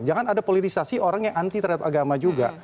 jangan ada politisasi orang yang anti terhadap agama juga